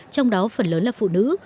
trong đó phần lớn là phụ nữ